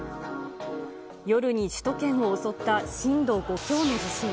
夜に首都圏を襲った震度５強の地震。